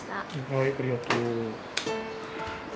はいありがとう。